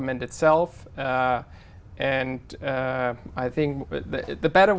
các ý kiến về